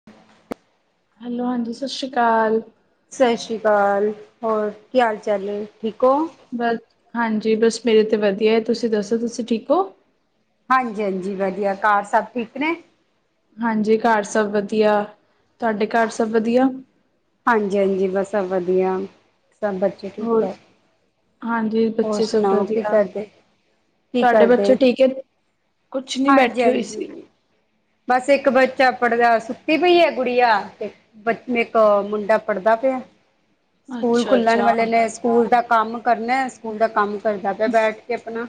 [inaudible] Hello, ਹਾਂਜੀ, ਸਤਿ ਸ਼੍ਰੀ ਅਕਾਲ। ਸਤਿ ਸ਼੍ਰੀ ਅਕਾਲ। ਹੋਰ ਕੀ ਹਾਲ -ਚਾਲ ਹੈ? ਠੀਕ ਹੋ? ਬਸ, ਹਾਂਜੀ, ਬਸ ਮੇਰੇ ਤੇ ਵਧੀਆ ਹੈ, ਤੁਸੀਂ ਦੱਸੋ ਤੁਸੀਂ ਠੀਕ ਹੋ? ਹਾਂਜੀ -ਹਾਂਜੀ ਵਧੀਆ। ਘਾਰ ਸਭ ਠੀਕ ਨੇ? ਹਾਂਜੀ, ਘਰ ਸਭ ਵਧੀਆ, ਤੁਹਾਡੇ ਘਰ ਸਭ ਵਧੀਆ? ਹਾਂਜੀ -ਹਾਂਜੀ ਬਸ ਸਭ ਵਧੀਆ, ਸਭ ਬੱਚੇ ਠੀਕ ਹੋਰ ਹੈ। ਹਾਂਜੀ, ਹੋਰ ਬੱਚੇ ਸਭ ਸੁਣਾਓ ਕੀ ਵਧੀਆ, ਕਰਦੇ ਕੀ ਤੁਹਾਡੇ ਬੱਚੇ ਕਰਦੇ? ਠੀਕ ਏ? ਕੁਛ ਨੀ ਹਾਂਜੀ ਬੈਠੀ ਹੋਈ ਸੀ। ਹਾਂਜੀ ਬਸ ਇੱਕ ਬੱਚਾ ਪੜੱਦਾ, ਸੁੱਤੀ ਪਈ ਏ ਗੁੜੀਆ? ਬ ਇੱਕ ਮੁੰਡਾ ਪੜ੍ਹਦਾ ਪਿਐ, ਸਕੂਲ ਅੱਛਾ ਖੁੱਲਣ ਅੱਛਾ ਵਾਲੇ ਨੇ। ਸਕੂਲ ਦਾ ਕੰਮ ਕਰਨਾ ਏ, ਸਕੂਲ ਦਾ ਕੰਮ ਕਰਦਾ ਪਿਆ ਬੈਠ ਕੇ ਆਪਣਾ।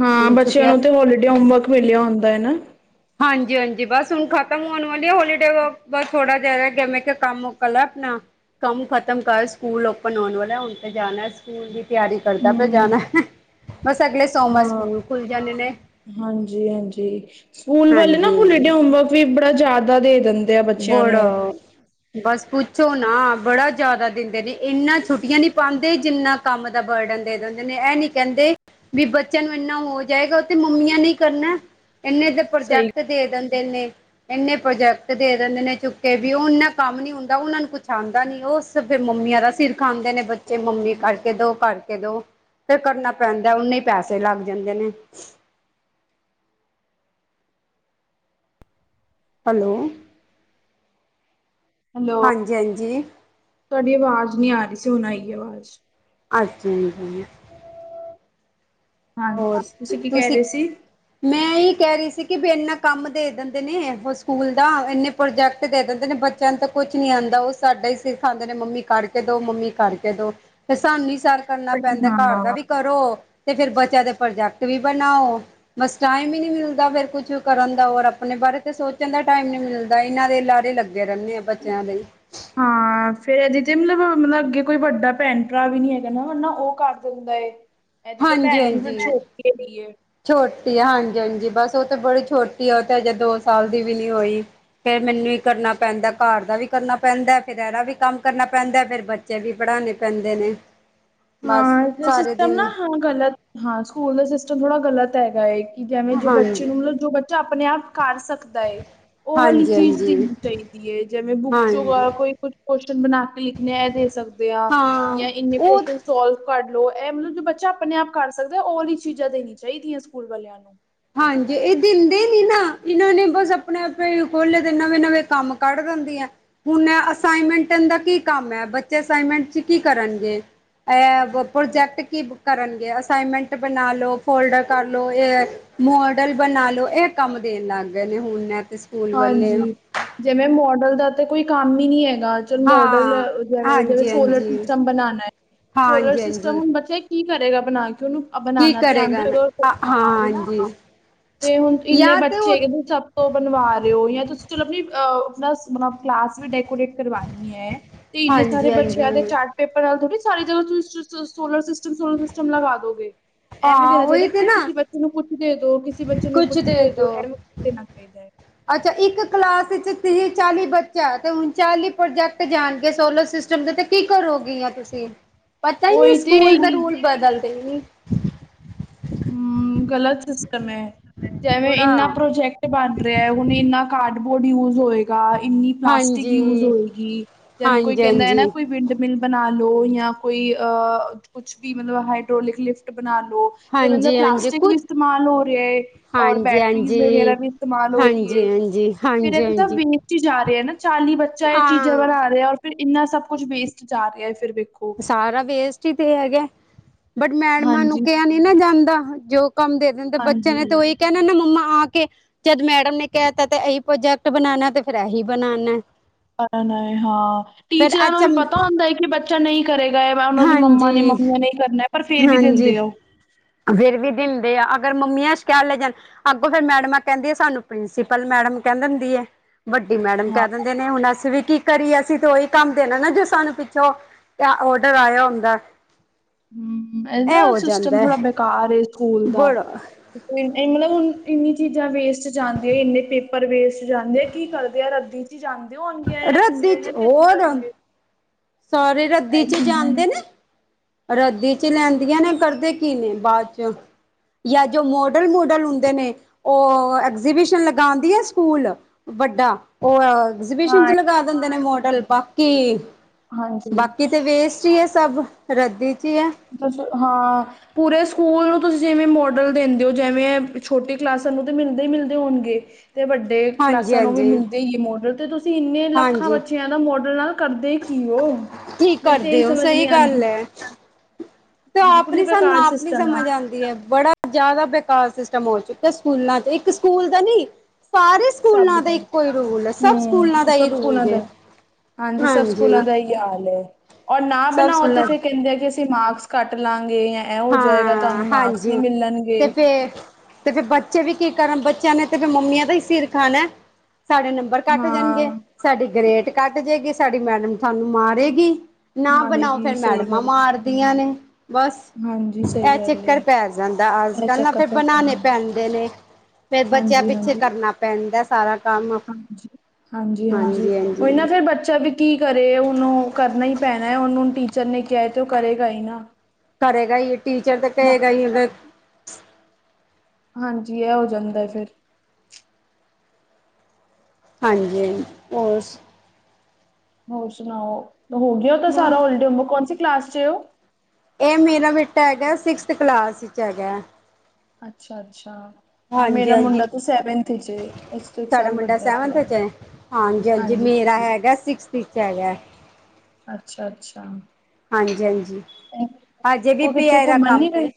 ਹਾਂ, ਹੁਣ ਬੱਚਿਆਂ ਛੁੱਟੀਆਂ ਨੂੰ ਤੇ ਹੋਲੀਡੇ ਹੋਮਵਰਕ ਮਿਲਿਆ ਹੁੰਦਾ ਹੈ ਨਾ। ਹਾਂਜੀ -ਹਾਂਜੀ ਬਸ ਹੁਣ ਖਤਮ ਹੋਣ ਵਾਲੀ ਹੋਲੀਡੇ ਵਰਕ, ਬਸ ਥੋੜਾ ਜਿਹਾ ਰਹਿ ਗਿਆ ਏ, ਮੈਂ ਕਿਹਾ ਕੰਮ ਮੁਕਾਲੈ ਆਪਣਾ। ਕੰਮ ਖਤਮ ਕਰ, ਸਕੂਲ ਓਪਨ ਹੋਣ ਵਾਲਾਂ, ਹੁਣ ਤੇ ਜਾਣਾ ਏ ਸਕੁ ਸਕੂਲ ਦੀ ਤਿਆਰੀ ਕਰਦਾ ਪਿਆ ਹਮ ਜਾਣਾ ਏ, ਬਸ ਅਗਲੇ ਸੋਮਵਾਰ ਹਾਂ ਸਕੂਲ ਖੁੱਲ ਜਾਂਦੇ ਨੇ। ਹਾਂਜੀ -ਹਾਂਜੀ ਸਕੂਲ ਵਾਲੇ ਨਾ ਹਾਂਜੀ ਹਾਂਜੀ ਹੋਲੀਡੇ ਹੋਮਵਰਕ ਵੀ ਬੜਾ ਜ਼ਿਆਦਾ ਦੇ ਦਿੰਦੇ ਆ ਬੱਚਿਆਂ ਨੂੰ ਬੜਾ, ਬਸ ਪੁੱਛੋ ਨਾ, ਬੜਾ ਜਿਆਦਾ ਦਿੰਦੇ ਨੇ। ਇੰਨਾ ਛੁੱਟੀਆਂ ਨੀ ਪਾਉਂਦੇ ਜਿੰਨਾ ਕੰਮ ਦਾ ਬਰਡਨ ਦੇ ਦਿੰਦੇ ਨੇ, ਇਹ ਨੀ ਕਹਿੰਦੇ ਵੀ ਬੱਚਿਆਂ ਨੂੰ ਇੰਨਾ ਹੋ ਜਾਏਗਾ, ਉਹ ਤੇ ਮੰਮੀਆਂ ਨੇ ਹੀਂ ਕਰਨਾ ਏ ਈਨੇ ਦਾ ਸਹੀ ਪ੍ਰੋਜੈਕਟ ਦੇ ਦਿੰਦੇ ਨੇ ਇੰਨੇ ਪ੍ਰੋਜੈਕਟ ਦੇ ਦਿੰਦੇ ਨੇ ਚੁੱਕੇ ਵੀ, ਉਹਨਾ ਕੰਮ ਨੀ ਹੁੰਦਾ, ਉਹਨਾਂ ਨੂੰ ਕੁਛ ਆਉਂਦਾ ਨੀ, ਉਹ ਸਭ ਫ਼ਿਰ ਮੰਮੀਆਂ ਦਾ ਸਿਰ ਖਾਂਦੇ ਨੇ ਬਚੇ ਫ਼ੇਰ ਮੰਮੀ ਕਰਕੇ ਦੋ ਕਰਕੇ ਦੋ, ਫਿਰ ਕਰਨਾ ਪੈਂਦਾ ਏ, ਓਨੇ ਹੀ ਪੈਸੇ ਲੱਗ ਜਾਂਦੇ ਨੇ। ਹੈਲੋ। ਹੈਲੋ ਹਾਂਜੀ- ਹਾਂਜੀ। ਤੁਹਾਡੀ ਆਵਾਜ਼ ਨਹੀਂ ਆ ਰਹੀ ਸੀ, ਹੁਣ ਆਈਏ ਆਵਾਜ਼। ਅੱਛਾ ਜੀ। ਹਾਂਜੀ, ਤੁਸੀਂ ਕੀ ਕਹਿ ਰਹੇ ਸੀ? ਮੈਂ ਏਹੀ ਕਹਿ ਰੀ ਸੀ ਕਿ ਵੀ ਇੰਨਾ ਕੰਮ ਦੇ ਦਿੰਦੇ ਨੇ, ਉਹ ਸਕੂਲ ਦਾ ਇੰਨੇ ਪ੍ਰੋਜੈਕਟ ਦੇ ਦਿੰਦੇ ਨੇ ਬੱਚਿਆਂ ਨੂੰ ਤਾਂ ਕੁਛ ਨੀ ਆਦਾ ਉਹ ਸਾਡਾ ਈ ਸਿਰ ਖਾਦੇ ਨੇ, ਮੰਮੀ ਕਰਕੇ ਦੋ ਮੰਮੀ ਕਰਕੇ ਦੋ। ਫ਼ੇਰ ਸਾਨੂੰ ਸਾਰਾ ਕਰਨਾ ਪੈਂਦਾ ਏ, ਘਰ ਹਾਂ ਦਾ ਵੀ ਕਰੋ ਤੇ ਫੇਰ ਬਚ ਬੱਚਿਆਂ ਦੇ ਪ੍ਰੋਜੈਕਟ ਵੀ ਬਣਾਓ। ਬਸ ਟਾਈਮ ਈ ਨੀ ਮਿਲਦਾ ਫੇਰ ਕੁਛ ਕਰਨ ਦਾ, ਹੋਰ ਆਪਣੇ ਬਾਰੇ ਤੇ ਸੋਚਣ ਦਾ ਟਾਈਮ ਨੀ ਮਿਲਦਾ ਇਹਨਾਂ ਦੇ ਲਾਰੇ ਲੱਗ ਲੱਗੇ ਰਹਿੰਨੇ ਆ ਬੱਚਿਆਂ ਦੇ। ਹਾਂ ਫੇਰ ਇਹਦੀ ਤੇ ਮਤਲਬ-ਮਤਲਬ ਅੱਗੇ ਕੋਈ ਵੱਡਾ ਭੈਣ ਭਰਾ ਵੀ ਨੀ ਹੈਗਾ ਨਾ, ਨਾ ਉਹ ਕਰ ਦਿੰਦਾ ਐ। [inaudible] ਇਹਦੀ ਤੇ ਭੈਣ ਵੀ ਹਾਂਜੀ ਛੋਟੀ ਹੈਗੀ ਐ। ਛੋਟੀ ਆ ਹਾਂਜੀ ਹਾਂਜੀ ਬਸ ਉਹ ਤੇ ਬੜੀ ਛੋਟੀ ਆ, ਉਹ ਤੇ ਅਜੇ ਦੋ ਸਾਲ ਦੀ ਵੀ ਨੀ ਹੋਈ। ਫੇਰ ਮੈਨੂੰ ਵੀ ਕਰਨਾ ਪੈਂਦਾ ਏ ਘਰ ਦਾ ਵੀ ਕਰਨਾ ਪੈਂਦਾ ਏ, ਫੇਰ ਇਹਦਾ ਵੀ ਕੰਮ ਕਰਨਾ ਪੈਂਦਾ ਏ ਫਿਰ ਬਚ ਬੱਚੇ ਵੀ ਪੜ੍ਹਾਣੇ ਪੈਂਦੇ ਨੇ। ਬਸ ਹਾਂ ਸਾਰੇ ਸਿਸਟਮ ਦਿਨ ਨਾ ਹਾਂ ਗਲਤ ਹਾਂ ਸਕੂਲ ਦਾ ਸਿਸਟਮ ਥੋੜਾ ਗ਼ਲਤ ਹੈਗਾ ਐ, ਜੈਵੇ ਜੋ ਬੱਚੇ ਹਾਂਜੀ ਨੂੰ ਮਤਲਬ ਜੋ ਬੱਚਾ ਆਪਣੇ ਆਪ ਕਰ ਸਕਦਾ ਐ, ਉਹ ਵਾਲੀ ਹਾਂਜੀ ਚੀਜ਼ ਹਾਂਜੀ। ਦੇਣੀ ਚਾਹੀਦੀ ਦੀਏ, ਜਿਵੇਂ ਬੁੱਕ ਚੋਂ ਹਾਂਜੀ ਕੋਈ ਕੁ ਕੁਸ਼ਚਨ ਬਣਾ ਕੇ ਲਿਖਣੇ ਇਹ ਦੇ ਸਕਦੇ ਆ। ਹਾਂ ਯਾ ਇੰਨੇ ਉਹ ਕੀਊਸ਼ਨਸ ਸੋਲਵ ਕਰ ਲਓ, ਇਹ ਮਤਲਬ ਜੋ ਬੱਚਾ ਆਪਣੇ ਆਪ ਕਰ ਸਕਦਾ ਉਹ ਈ ਚੀਜ਼ਾਂ ਦੇਣੀ ਚਾਹੀਦੀਆਂ ਸਕੂਲ ਵਾਲਿਆਂ ਨੂੰ। ਹਾਂਜੀ ਇਹ ਦਿੰਦੇ ਨੀ ਨਾ, ਇਹਨਾਂ ਨੇ ਬਸ ਆਪਣੇ ਆਪਣੇ ਖੋਲਲੇ ਦੇ ਨਵੇਂ ਨਵੇਂ ਕੰਮ ਕੱਢ ਦਿੰਦੇ ਆ। ਹੁਣ ਐ ਅਸਾਈਨਮੈਂਟ ਦਾ ਕੀ ਕੰਮ ਐ, ਬੱਚੇ ਅਸਾਈਨਮੈਂਟ ਚ ਕੀ ਕਰਨਗੇ। ਅ ਪ੍ਰੋਜੈਕਟ ਕੀ ਕਰਨਗੇ, ਅਸਾਈਮੈਂਟ ਬਣਾ ਲੋ ਫੋਲਡ ਕਰ ਲੋ ਇਹ ਏ ਮੋਡਲ ਬਣਾ ਲੋ, ਇਹ ਕੰਮ ਦੇਣ ਲੱਗ ਗਏ ਨੇ ਹੁਣ ਐ ਤੇ ਸਕੂਲ ਵਾਲੇ ਹਾਂਜੀ, ਜਿਵੇਂ ਮੋਡਲ ਦਾ ਤਾਂ ਕੋਈ ਕੰਮ ਈ ਨੀ ਹੈਗਾ। ਮੋਡਲ ਹਾਂ ਜਿਵੇ ਜਿਵੇਂ ਹਾਂਜੀ ਸੋਲਰ ਹਾਂਜੀ ਸਿਸਟਮ ਬਣਾਉਣਾ ਐ, ਸੋਲਰ ਹਾਂਜੀ ਸਿਸਟਮ ਹਾਂਜੀ ਹੁਣ ਬਚੇ ਕੀ ਕਰੇਗਾ ਬਣਾ ਕੇ ਉਹਨੂੰ ਕੀ ਬਨਾਨਾ ਤੇ ਆਂਦੇ ਕਰੇਗਾ ਨਾ ਹਾਂ ਨਾ ਹਾਂਜੀ ਤੇ ਇੰਨੇ ਜਾਂ ਤੇ ਬੱਚੇ ਉਹ ਹੈਗੇ [unintelligible] ਉਹ ਬਣਵਾ ਰਹੇ ਓ, ਜਾਂ ਤੁਸੀਂ ਚਲੋ? ਆਪਣੀ ਅ ਅਪਨਾ ਕਲਾਸ ਵੀ ਡੈਕੋਰੇਟ ਕਰਵਾਨੀ ਐ। ਇੰਨੇ ਸਾਰੇ ਹਾਂਜੀ ਹਾਂਜੀ ਬੱਚਿਆਂ ਦੇ ਛਡ ਪੇਪਰ ਵੱਲ ਥੋੜ੍ਹੀ ਸਾਰੀ ਜਗ੍ਹਾ ਤੁਸੀਂ ਸ-ਸ ਸੋਲਰ ਸਿਸਟਮ, ਸੋਲਰ ਸਿਸਟਮ ਲਗਾ ਦੋਗੇ। ਐਵੇਂ ਹਾਂ ਦੇਣਾ ਉਹੀ ਚਾਹੀਦਾ, ਤੇ ਤੁਸੀਂ? ਨਾ [unintelligible] ਕਿਸੇ ਨੂੰ ਕੁੱਛ ਦੇ ਦੋ, ਕਿਸੇ ਬੱਚੇ ਨੂੰ ਕੁੱਛ ਦੇ ਦੋ ਐਵੇਂ ਦੇਣਾ ਚਾਹੀਦਾ। ਅੱਛਾ ਇੱਕ ਕਲਾਸ ਵਿੱਚ ਤੀਹ-ਚਾਲੀ ਬੱਚਾ, ਤੇ ਚਾਲੀ ਪ੍ਰੋਜੈਕਟ ਜਾਣਗੇ ਸੋਲਰ ਸਿਸ ਚਲੋ ਤੇ ਕੀ ਕਰੋਗੀਆਂ ਤੁਸੀਂ? ਪਤਾ ਈ ਨੀ, ਉਹੀ ਤੇ ਸਕੂਲ ਦਾ ਇਹੀ ਰੂਲ ਬਦਲਦੇ ਨੀ। ਹੂੰ, ਗਲਤ ਸਿਸਟਮ ਏ ਜਿਵੇਂ ਬੁੜਾ ਇਨਾ ਪ੍ਰੋਜੈਕਟ ਬਣ ਰਿਹਾ ਹੁਨ ਇੰਨਾ ਕਾਰਡਬੋਰਡ ਯੂਜ ਹੋਵੇਗਾ, ਇੰਨੀ ਪਲਾਸਟਿਕ ਹਾਂਜੀ ਯੂਜ ਹੋਏਗੀ ਜਿਵੇ ਕੋਈ ਹਾਂਜੀ ਕਹਿੰਦਾ ਹੈ ਨਾ, ਹਾਂਜੀ ਕੋਈ ਵਿੰਡ ਮਿਲ ਬਣਾ ਲਉ ਜਾਂ ਕੋਈ ਅ- ਕੁਛ ਵੀ ਮਤਲਬ ਹਾਈਡਰੋਲਿਕ ਲਿਫਟ ਬਣਾ ਲਉ। ਤੇ ਉਹ ਅੰਦਰ ਹਾਂਜੀ ਹਾਂਜੀ ਪਲਾਸਟਿਕ ਵੀ ਕੁਛ ਇਸਤਮਾਲ ਹੋ ਰਿਹਾ ਐ, ਔਰ ਹਾਂਜੀ ਬੈਟਰੀਜ਼ ਹਾਂਜੀ ਵਗੈਰਾ ਵੀ ਇਸਤਮਾਲ ਹੋ ਰਹੀ ਏ। ਹਾਂਜੀ-ਹਾਂਜੀ। ਚੀਜ਼ ਜਾ ਰਿਹਾ ਨਾ ਚਾਲੀ ਬੱਚਾ ਇਹ ਚੀਜ਼ਾਂ ਬਣਾ ਰਿਹਾ, ਔਰ ਫਿਰ ਇਨਾ ਸਭ ਕੁੱਛ ਵੇਸਟ ਜਾ ਰਿਹਾ ਫੇਰ ਵੇਖੋ। ਸਾਰਾ ਵੇਸਟ ਹੀ ਤੇ ਹੈਗਾ, ਬਟ ਮੈਡਮਾਂ ਨੂੰ ਕਿਹਾ ਨੀ ਨਾ ਜਾਂਦਾ, ਜੋ ਕੰਮ ਦੇ 'ਦੇ ਬੱਚਿਆਂ ਨੇ ਹਾਂਜੀ-ਹਾਂਜੀ। ਤੇ ਉਹੀ ਕਹਿਣਾ ਨਾ, ਮੰਮਾ ਆ ਕੇਕ ਜਦ ਮੈਡਮ ਨੇ ਕਹਿ ਤਾ ਤੇ ਏਹੀ ਪ੍ਰੋਜੈਕਟ ਬਨਾਨਾ, ਤੇ ਫਿਰ ਐਹੀ ਬਨਾਨਾ। ਹਾਂ, ਟੀਚਰਾਂ ਨੂੰ ਅੱਛਾ ਵੀ ਪਤਾ ਹੁੰਦਾ ਐ, ਕਿ ਬੱਚਾ ਨਹੀਂ ਕਰੇਗਾ, ਉਹਨਾਂ ਦੀ ਮੰਮਾ ਨੇ ਹਾਂਜੀ ਮੰਮੀਆਂ ਨੇ ਕਰਨਾ ਪਰ ਫੇਰ ਵੀ ਦਿੰਦੇ ਆ ਉਹ। ਫੇਰ ਵੀ ਦਿੰਦੇ ਆ, ਅਗਰ ਮੰਮੀਆਂ ਸ਼ਕੈ ਲੈ ਜਨ ਅੱਗੋਂ ਫੇਰ ਮੈਡਮਾਂ ਕੈੰਦੀ ਆ, ਸਾਨੂੰ ਪ੍ਰਿੰਸੀਪਲ ਮੈਡਮ ਕੈ ਦੈੰਦੀ ਐ। ਵੱਡੀ ਮੈਡਮ ਹਾਂ, ਕੈ ਦਿੰਦੇ ਨੇ। ਹੁਣ ਅਸੀਂ ਵੀ ਕੀ ਕਰੀਏ? ਅਸੀ ਤਾਂ ੳਹੀ ਕੰਮ ਦੇਨਾ ਨਾ, ਜੋ ਸਾਨੂੰ ਪਿੱਛੋਂ ਕੈਆ ਔਡਰ ਆਇਆ ਹੁੰਦਾ। ਹੂੰ, ਐ ਇਹ ਨਾ ਹੋ ਸਿਸਟਮ ਜਾਂਦਾ ਥੋੜਾ ਬੇਕਾਰ ਏ ਸਕੂਲ ਦਾ। ਬੜਾ ਮਤਲਬ ਹੁਨ ਇਨੀ ਚੀਜਾਂ ਵੇਸਟ ਜਾਂਦੀਆਂ, ਏਨੇ ਪੇਪਰ ਵੇਸਟ ਜਾਂਦੇ। ਕੀ ਕਰਦੇ ਆ? ਰੱਦੀ ਚ ਜਾਂਦੇ ਹੋਗੇ, ਜਾਂ ਕਿਸੀ ਰੱਦੀ ਚ ੳਨੂੰ ਦੇ ਦਿੰਦੇ ਹੋਰ ਹੋਏਂਗੇ ਸਾਰੇ ਰੱਦੀ ਚ ਨਾ। ਜਾਂਦੇ ਨੇ। ਰੱਦੀ ਚ ਲੈਂਦੀਆਂ ਨੇ। ਕਰਦੇ ਕੀ ਨੇ ਬਾਦ ਚ? ਯਾ ਜੋ ਮੋਡਲ-ਮੂਡਲ ਹੁੰਦੇ ਨੇ, ੳ ਐਗਜੀਬਿਸ਼ਨ ਲਗਾਂਦੀ ਐ ਸਕੂਲ ਵੱਡਾ, ੳ ਐਗਜੀਬਿਸ਼ਨ ਚ ਹਾਂ, ਲਗਾ ਦਿੰਦੇ ਨੇ ਮੋਡਲ, ਬਾਕੀ ਹਾਂਜੀ। ਬਾਕੀ ਤੇ ਵੇਸਟ ਈ ਐ ਸਭ, ਰੱਦੀ ਚ ਈ ਐ। ਅੱਛਾ, ਹਾਂ। ਪੂਰੇ ਸਕੂਲ ਨੂੰ ਤੁਸੀ ਜਿਵੇਂ ਮੋਡਲ ਦੇਂਦੇ ੳ, ਜੈਵੇਂ ਛੋਟੀ ਕਲਾਸਾਂ ਨੂੰ ਤੇ ਮਿਲਦੇ ਈ ਮਿਲਦੇ ਹੋਨਗੇ। ਤੇ ਵੱਡੇ ਹਾਂਜੀ ਕਲਾਸਾਂ ਨੂੰ ਵੀ ਹਾਂਜੀ ਮਿਲਦੇ ਈ ਏ ਮੋਡਲ, ਤੇ ਤੁਸੀ ਏਨੇ ਲੱਖਾਂ ਹਾਂਜੀ ਬੱਚੇਆਂ ਦਾ ਮੋਡਲਾ ਕਰਦੇ ਕੀ ਓ? ਕੀ ਮੈਨੂੰ ਤੇ ਏਈ ਕਰਦੇ ਹੋ ਸਮਝ ਨੀ ਸਹੀ ਗੱਲ ਆਂਦੀ। ਤੇ ਆਪ ਨੀ ਸਾਨੂੰ ਬੇਕਾਰ ਆਪ ਨੀ ਸਿਸਟਮ ਹੈ ਸਮਝ ਆਂਦੀ। ਬੜਾ ਜਾਦਾ ਬੇਕਾਰ ਸਿਸਟਮ ਹੋ ਚੁਕਾ ਸਕੂਲਾਂ ਚ। ਇੱਕ ਸਕੂਲ ਦਾ ਨੀ ਸਾਰੇ ਸਕੂਲਾਂ ਦਾ ਇੱਕੋ ਹੀ ਰੂਲ ਏ। ਸਭ ਸਕੂਲਾਂ ਹਮ ਦਾ ਏਈ ਸਭ ਰੂਲ ਸਕੂਲਾਂ ਦਾ ਜੇ। ਹਾਂਜੀ, ਸਭ ਸਕੂਲਾਂ ਦਾ ਏਈ ਹਾਲ ਏ। ਔਰ ਨਾ ਸਭ ਬਨਾਓ ਤੇ ਸਕੂਲਾਂ ਫੇਰ ਕਹੰਦੇ ਆ ਕਿ ਅਸੀ ਤੇ ਮਾਕਸ ਕੱਟ ਲਾਂਗੇ, ਯੈ ਐ ਹੋ ਜਾਏਗਾ ਹਾਂ ਤੁਹਾਨੂੰ ਮਾਕਸ ਨੀ ਹਾਂਜੀ ਮਿਲਨਗੇ। ਤੇ ਫੇਰ ਤੇ ਫੇਰ ਬੱਚੇ ਵੀ ਕੀ ਕਰਨ? ਬੱਚੇਆਂ ਨੇ ਤੇ ਫੇਰ ਮੰਮੀਆਂ ਦਾ ਈ ਸਿਰ ਖਾਨਾ ਏ। ਸਾਡੇ ਨੰਬ ਰ ਕੱਟ ਹਾਂ ਜਨਗੇ, ਸਾਡੀ ਗਰੇਟ ਕਟ ਜੇਗੀ, ਸਾਡੀ ਮੈਡਮ ਸਾਨੂੰ ਮਾਰੇਗੀ। ਨਾ ਬਨਾਓ ਮਾਰੇਗੀ ਫੇਰ ਸਹੀ ਮੈਡਮਾਂ ਗੱਲ ਮਾਰਦੀਆਂ ਨੇ, ਬਸ ਹਾਂਜੀ ਸਹੀ ਐ ਗੱਲ ਏ ਚੱਕਰ ਪੈ ਜਾਂਦਾ ਇਹ ਅੱਜ-ਕਲ ਨਾ, ਚੱਕਰ ਫੇਰ ਪੈ ਜਾਂਦੇ ਬਨਾਨੇ ਨੇ ਪੈਂਦੇ ਨੇ। ਫੇਰ ਬੱਚੇਆ ਹਾਂਜੀ ਪਿੱਛੇ ਹਾਂਜੀ ਕਰਨਾ ਪੈਂਦਾ ਸਾਰਾ ਕੰਮ। ਹਾਂਜੀ, ਹਾਂਜੀ-ਹਾਂਜੀ, ਹਾਂਜੀ ੳਈ ਨਾ ਹਾਂਜੀ ਫੇਰ ਬੱਚਾ ਵੀ ਕੀ ਕਰੇ ੳਨੂੰ ਕਰਨਾ ਈ ਪੈਨਾ। ੳਨੂੰ ਟੀਚਰ ਨੇ ਕੈਆ ਤੇ ੳ ਕਰੇਗਾ ਈ ਨਾ। ਕਰੇਗਾ ਈ, ਟੀਚਰ ਤੇ ਵਾਹ, ਕਏਗਾ ਈ ਫੇਰ। ਹਾਂਜੀ, ਏ ਹੋ ਜਾਂਦਾ ਫੇਰ। ਹਾਂਜੀ। ਹੋਰ ਹੋਰ ਸੁਣਾਓ? ਹੋ ਗਿਆ ੳਦਾ ਸਾਰਾ ਹੋਲੀਡੇ ਹੋਮਵਰਕ। ਕੌਣ ਸੀ ਕਲਾਸ ਚ ਏ ੳ? ਏ ਮੇਰਾ ਬੇਟਾ ਹੈਗਾ, ਸਿਕਸਥ ਕਲਾਸ ਚ ਹੈਗਾ। ਅੱਛਾ ਅੱਛਾ, ਹਾਂਜੀ ਮੇਰਾ ਮੁੰਡਾ ਤੇ ਸੈਵਨਥ ਚ ਏ। ਇਸ ਤੋਂ ਇੱਕ ਤਾਡਾ ਸਾਲ ਮੁੰਡਾ ਵੱਡਾ ਹੈ ਸੈਵਨਥ ਥੋੜਾ ਚ ਏ? ਹਾਂਜੀ, ਹਾਂਜੀ। ਮੇਰਾ ਹੈਗਾ, ਸਿਕਸਥ ਵਿੱਚ ਹੈਗਾ। ਅੱਛਾ ਅੱਛਾ। ਹਾਂਜੀ ਹਾਂਜੀ, ਹਜੇ ਵੀ ਕੋ ਪੇਆ ਕਿੱਥੇ ਏਦਾਂ ਘੁੰਮਣ ਕੰਮ ਨੀ ਗਏ ਤੇ।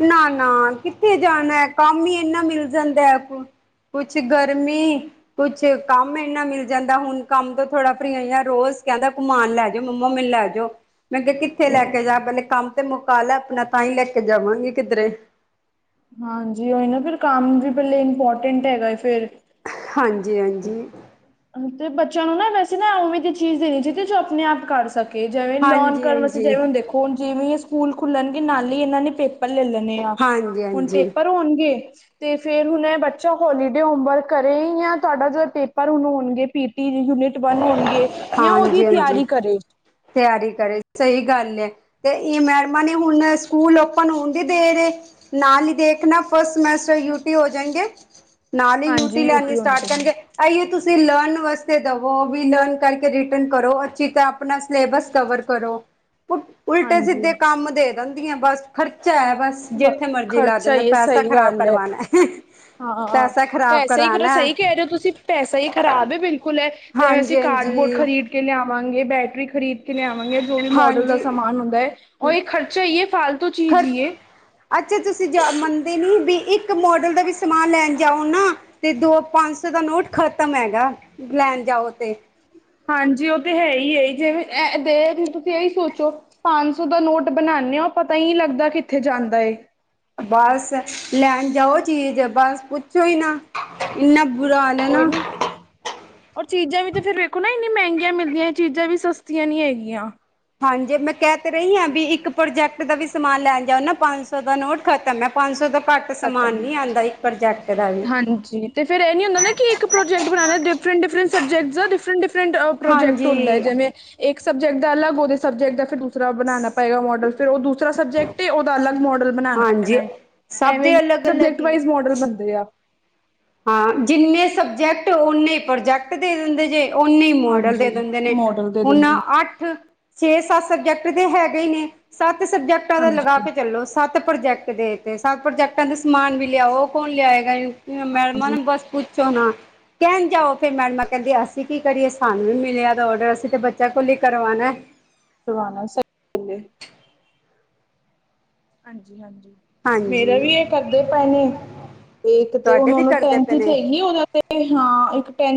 ਨਾ-ਨਾ, ਕਿੱਥੇ ਜਾਨਾ? ਕੰਮ ਈ ਏਨਾ ਮਿਲ ਜਾਂਦਾ ਆਪ ਕੁਛ ਗਰਮੀ ਕੁਛ ਕੰਮ ਏਨਾ ਮਿਲ ਜਾਂਦਾ, ਹੁਨ ਕੰਮ ਤੋਂ ਥੋੜਾ ਫ੍ਰੀ ਹੋਏਆ, ਰੋਜ਼ ਕਹੰਦਾ, ਘੂਮਾਨ ਲੈ ਮੰਮਾ ਮੈਨੂੰ ਲੈਜੋ। ਮੈਂ ਕੈ, ਕਿੱਥੇ ਲੈ ਕੇ ਜਾ? ਪੈਲੇ ਕੰਮ ਤੇ ਮੁਕਾ ਲੈ ਅਪਨਾ, ਤਾਂਈ ਲੈ ਕੇ ਜਾਵਾਂਗੀ ਕਿੱਧਰੇ। ਹਾਂਜੀ, ੳਹੀ ਨਾ, ਫੇਰ ਕੰਮ ਵੀ ਪੈਲੇ ਇੰਪੋਰਟੈਂਟ ਹੈਗਾ ਏ ਫੇਰ ਹਾਂਜੀ ਹਾਂਜੀ। ਤੇ ਬੱਚਿਆਂ ਨੂੰ ਨਾ, ਵੈਸੇ ਨਾ ਉਵੇਂ ਜੀ ਚੀਜ਼ ਦੇਨੀ ਚਾਈਦੀ ਜੋ ਆਪਨੇ ਆਪ ਕਰ ਸਕ ਜਿਵੇਂ ਲਰਨ ਹਾਂਜੀ ਹਾਂਜੀ ਕਰਨ ਵਾਸਤੇ, ਹਾਂਜੀ ਜਿਵੇਂ ਹੁਣ ਦੇਖੋ ਹੁਣ ਜਿਵੇਂ ਇਹ ਸਕੂਲ ਖੁੱਲਣਗੇ, ਨਾਲ ਹੀ ਇਹਨਾਂ ਨੇ ਪੇਪਰ ਲੈ ਲੈਂਨੇ ਆਪਣੀ ਹੁਣ ਹਾਂਜੀ ਪੇਪਰ ਹੋਣਗੇ ਤੇ ਫੇਰ ਹੁਣ ਇਹ ਬੱਚਾ ਹੋਲੀਡੇ ਹੋਮਵਰਕ ਕਰੇ, ਯਾ ਤੁਹਾਡਾ ਜੋ ਪੇਪਰ ਹੁਣ ਹੋਣਗੇ, ਪੀਟੀ ਯੂਨਿਟ ਵਨ ਹੋਣਗੇ ਜਾਂ ਉਹਦੀ ਹਾਂਜੀ ਹਾਂਜੀ ਤਿਆਰੀ ਕਰੇ ਤਿਆਰੀ ਕਰੇ, ਸਹੀ ਗੱਲ ਹੈ। ਤੇ ਈ ਮੈਡਮਾਂ ਨੇ ਹੁਣ ਸਕੂਲ ਓਪਨ ਹੋਣ ਦੀ ਦੇਰ ਏ ਨਾਲ ਹੀ ਦੇਖਣਾ, ਫਸਟ ਸਮੈਸਟਰ ਯੂਟੀ ਹੋ ਜਾਏਗੇ। ਨਾਲ ਹੀ ਯੂਟੀ ਹਾਂਜੀ ਲੈਣੀ ਹੋਣ ਸਟਾਰਟ ਕਰਨਗੇ, ਅਹੀੳ ਤੁਸੀਂ ਲਰਨ ਵਾਸਤੇ ਦਵੋ ਵੀ ਲਰਨ ਕਰਕੇ ਰਿਟਨ ਕਰੋ, ਅੱਛੀ ਤਰ੍ਹਾਂ ਆਪਣਾ ਸਿਲੇਬਸ ਕਵਰ ਕਰੋ। ਉਲਟੇ ਹਾਂਜੀ ਸਿੱਧੇ ਕੰਮ ਦੇ ਦਿੰਦੀਆਂ ਬਸ ਖਰਚਾ ਹੈ, ਬਸ। ਬ- ਜਿੱਥੇ ਮਰਜੀ ਲਾ ਖਰਚਾ ਦੇਣ, ਹੀ ਹੈ, ਪੈਸਾ ਸਹੀ ਖ਼ਰਾਬ ਗੱਲ ਹੈ ਕਰਵਾਣਾ। ਹਾਂ ਪੈਸਾ ਖ਼ਰਾਬ ਵੈਸੇ, ਇਕ ਗੱਲੋਂ ਕਰਾਣਾ ਸਹੀ ਕਹਿ ਰਹੇ ਹੋ ਤੁਸੀਂ ਪੈਸਾ ਹੀ ਖ਼ਰਾਬ ਹੈ, ਬਿਲਕੁਲ ਹੈ। ਜੇ ਅਸੀਂ ਹਾਂਜੀ ਕਾਰਡ ਬੋਰਡ ਹਾਂਜੀ ਖਰੀਦ ਕੇ ਲਿਆਵਾਂਗੇ, ਬੈਟਰੀ ਖਰੀਦ ਲਿਆਵਾਂਗੇ ਜੋ ਵੀ ਮੋਡਲ ਦਾ ਹਾਂਜੀ ਸਮਾਨ ਹੁੰਦਾ ਹੈ, ਉਹ ਇਹ ਖਰਚਾ ਹੀ ਹੈ, ਫਾਲਤੂ ਚੀਜ਼ ਖਰਚ ਹੀਆ ਅੱਛਾ, ਤੁਸੀਂ ਜਾ ਮੰਨਦੇ ਨੀ ਇੱਕ ਮੋਡਲ ਦਾ ਵੀ ਸਮਾਨ ਲੈਣ ਜਾਓ ਨਾ, ਤੇ ਦੋ ਪੰਜ ਸੌ ਦਾ ਨੋਟ ਖਤਮ ਹੈਗਾ। ਲੈਣ ਜਾਓ ਤੇ ਹਾਂਜੀ ਉਹ ਤੇ ਹੈ ਹੀ ਹੈ, ਜਿਵੇਂ ਦੇ ਤੁਸੀਂ ਇਹੀ ਸੋਚੋ। ਪੰਜ ਸੌ ਦਾ ਨੋਟ ਬਣਾਉਂਦੇ ਹਾ, ਉਹ ਪਤਾ ਹੀ ਨਹੀਂ ਲੱਗਦਾ ਕਿੱਥੇ ਜਾਂਦਾ ਹੈ। ਬਸ ਲੈਣ ਜਾਓ, ਚੀਜ਼ ਬਸ ਪੁੱਛੋ ਹੀ ਨਾ ਇੰਨਾ ਬੁਰਾ ਹਾਲ ਹੈ ਨਾ ਔਰ ਚੀਜ਼ਾਂ ਵੀ ਤੇ ਫੇਰ ਵੇਖੋ ਨਾ, ਇੰਨੀ ਮਹਿੰਗੀਆਂ ਮਿਲਦੀਆਂ, ਚੀਜ਼ਾਂ ਵੀ ਸਸਤੀਆਂ ਨੀ ਹੈਗੀਆਂ। ਹਾਂਜੀ, ਮੈਂ ਕਹਿ ਤਾਂ ਰਹੀ ਹਾਂ ਵੀ ਇੱਕ ਪ੍ਰੋਜੈਕਟ ਦਾ ਵੀ ਸਮਾਨ ਲੈਣ ਜਾਓ, ਨਾ ਪੰਜ ਸੌ ਦਾ ਨੋਟ ਖਤਮ ਹੈ ਪੰਜ ਸੌ ਦਾ ਘੱਟ ਸਮਾਨ ਖਤਮ ਹੈ ਨਹੀਂ ਆਉਂਦਾ, ਇੱਕ ਪ੍ਰੋਜੈਕਟ ਦਾ ਵੀ ਹਾਂਜੀ। ਤੇ ਫਿਰ ਅ ਨਹੀਂ ਹੁੰਦਾ ਨਾ ਕਿ ਇੱਕ ਪ੍ਰੋਜੈਕਟ ਬਣਾਉਣਾ ਡਿਫਰੈਂਟ-ਡਿਫਰੈਂਟ ਸਬਜੈਕਟ ਦਾ, ਡਿਫਰੈਂਟ-ਡਿਫਰੈਂਟ ਪ੍ਰੋਜੈਕਟ ਹਾਂਜੀ ਹੁੰਦਾ ਹੈ, ਜਿਵੇਂ ਇੱਕ ਸਬਜੈਕਟ ਦਾ ਅਲੱਗ, ਉਹਦੇ ਸਬਜੈਕਟ ਦਾ ਫਿਰ ਦੂਸਰਾ ਬਣਾਉਣਾ ਪਏਗਾ ਮੋਡਲ। ਫੇਰ ਉਹ ਦੂਸਰਾ ਸਬਜੈਕਟ ਐ, ਓਦਾ ਅਲੱਗ ਮੋਡਲ ਬਣਾਉਣਾ ਹਾਂਜੀ ਪੈਣਾ ਐ, ਸਭ ਇਵੇ ਦੇ ਅਲੱਗ ਅਲੱਗ ਹੀ ਹੈ ਸਬਜੈਕਟ-ਵਾਈਜ਼ ਮੋਡਲ ਮੋਡਲ ਬੰਦੇ ਆ ਹਾਂ, ਜਿੰਨੇ ਸਬਜੈਕਟ ਉਨੇ ਪ੍ਰੋਜੈਕਟ ਦੇ ਦਿੰਦੇ ਜੇ ਉਨੇ ਹੀ ਮੋਡਲ ਦੇ ਹਾਂਜੀ ਦਿੰਦੇ ਨੇ, ਮੋਡਲ ਦੇ ਹੁਣ ਦਿੰਦੇ ਆ। ਅੱਠ ਛੇ ਸੱਤ ਸਬਜੈਕਟ ਤੇ ਹੈਗੇ ਹੀ ਨੇ, ਸੱਤ ਸਬਜੈਕਟਾਂ ਦਾ ਲਗਾ ਹਾਂਜੀ। ਕੇ ਚੱਲੋ ਸੱਤ ਪ੍ਰੋਜੈਕਟ ਦੇ ਤੇ, ਸੱਤ ਪ੍ਰੋਜੈਕਟਾਂ ਦੇ ਸਮਾਨ ਵੀ ਲਿਆਓ ਕੌਣ ਲਿਆਏਗਾ ਹਾਂਜੀ ਮਨ ਬਸ ਪੁੱਛੋ ਨਾ ਕਹਿਣ ਜਾਓ ਫ਼ੇਰ ਮੈਡਮਾਂ ਕਹਿੰਦੀ ਅਸੀਂ ਕੀ ਕਰੀਏ, ਸਾਨੂੰ ਵੀ ਮਿਲਿਆਂ ਦਾ ਔਡਰ ਅਸੀਂ ਤਾਂ ਬੱਚਿਆਂ ਕੋਲ ਹੀ ਕਰਵਾਉਣਾਂ ਕਰਵਾਨਾਂ ਸਹੀ ਗੱਲ ਹੈ। ਹਾਂਜੀ -ਹਾਂਜੀ। ਮੇਰਾ ਵੀ ਹਾਂਜੀ ਇਹ ਕਰਦੇਂ ਪਏ ਨੇ ਇੱਕ ਤੇ ਤੁਹਾਡੇ ਹੁਣ ਵੀ ਉਹਨੂੰ ਕਰਦੇ ਟੈਨਥ ਪਏ ਚ ਨੇ ਹੈਂਗੀ ਉਹ ਤੇ ਤੇ ਹਾਂ ਇੱਕ ਟੈਂ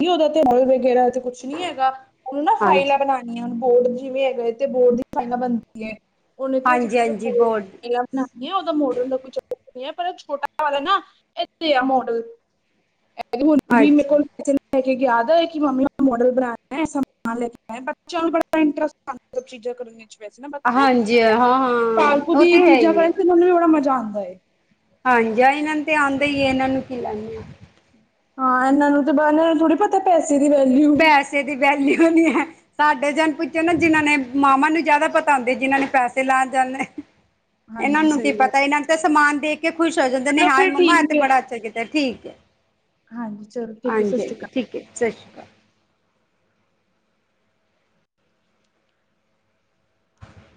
ਕੀ ਉਹਦਾ ਨੰਬਰ ਵਗੈਰਾ ਤੇ ਕੁੱਛ ਨੀ ਹੈਗਾ ਉਹਨੂੰ ਨਾ ਹਾਂਜੀ ਫਾਈਲਾਂ ਬਣਾ ਹੁ ਬੋਰਡ ਜਿਵੇਂ ਹੈਗਾ ਤੇ ਬੋਰਡ ਦੀਆਂ ਫਾਈਲਾਂ ਬਣਦੀਆਂ ਹੈ, ਉਹਨਾਂ ਤੇ ਹਾਂਜੀ ਅਜੇ ਹਾਂਜੀ ਬੋਰਡ ਨਹੀਂ ਉਹਦਾ ਮੋਡਲ ਦਾ ਕੋਈ ਚੱਕਰ ਨਹੀਂ ਹੈ, ਪਰ ਛੋਟਾ ਵਾਲਾ ਨਾ ਇੱਥੇ ਆ ਮੋਡਲ ਹੁਣ ਵੀ ਮੇਰੇ ਅੱਛਾ ਕੋਲ਼ ਯਾਦ ਹੈ ਕਿ ਮੰਮੀ ਮੋਡਲ ਬਣਾਉਣਾ ਹੈ, ਸਮਾਨ ਲੈਣਾਂ ਹੈ ਬੱਚਿਆਂ ਬੜਾ ਇੰਟਰਸਟ ਚੀਜ਼ਾਂ ਕਰਨ 'ਚ ਵੈਸੇ ਨਾ ਪਤਾ, ਹਾਂਜੀ ਹਾਂ ਹਾਂ ਫ਼ਾਲਤੂ ਉਹ ਦੀ ਤੇ ਹੈ ਚੀਜ਼ਾ ਹੀ ਕਰਨ ਹੈ 'ਚ ਮੈਨੂੰ ਵੀ, ਬੜਾ ਮਜ਼ਾ ਆਉਂਦਾ ਐਂ। ਹਾਂਜੀ, ਇਨ੍ਹਾਂ ਨੂੰ ਤੇ ਆਉਂਦਾ ਹੀ, ਇਹਨਾਂ ਨੂੰ ਕੀ ਲੈਣਾਂ ਆ। ਹਾਂ, ਇਹਨਾਂ ਨੂੰ ਤੇ ਬਾਹ, ਇਹਨਾਂ ਨੂੰ ਥੋੜੀ ਪਤਾਂ ਪੈਸੇ ਦੀ ਵੈਲਿਊ ਜਿਹਦੀ ਵੈਲਿਊ ਨਹੀਂ ਹੈ। ਸਾਡੇ ਜਨ ਪੁੱਛੋ ਨਾ ਜਿਨ੍ਹਾਂ ਨੇ, ਮਾਵਾਂ ਨੂੰ ਜਿਆਦਾ ਪਤਾ ਹੁੰਦੇ, ਜਿਨਾਂ ਨੇ ਪੈਸੇ ਲਾਉਂਣ ਜਾਣੇਂ। ਇਹਨਾਂ ਹਾਂਜੀ ਨੂੰ ਕੀ ਸਹੀ ਗੱਲ ਪਤਾ, ਇਹਨਾਂ ਨੂੰ ਤਾਂ ਸਮਾਨ ਦੇਖ ਕੇ ਖੁਸ਼ ਹੋ ਜਾਂਦੇ ਨੇ, ਚਲੋ ਹਏ ਫਿਰ ਮੰਮਾ ਠੀਕ ਇਹ ਤਾਂ ਹੈ ਬੜਾ ਅੱਛਾ ਗਿ ਤਾਂ, ਠੀਕ ਹੈ। ਹਾਂਜੀ, ਚਲੋਂ ਠੀਕ ਹੈ, ਸਤਿ ਹਾਂਜੀ ਸ਼੍ਰੀ ਹਾਂਜੀ ਅਕਾਲ। ਠੀਕ ਹੈ, ਸਤ ਸ਼੍ਰੀ ਅਕਾਲ।